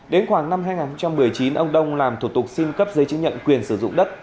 đến khoảng năm hai nghìn một mươi chín ông đông làm thủ tục xin cấp giấy chứng nhận quyền sử dụng đất